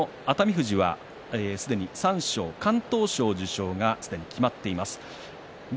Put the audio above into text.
富士はすでに三賞敢闘賞受賞が決まっています。